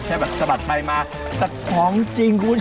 แบบสะบัดไปมาแต่ของจริงคุณผู้ชม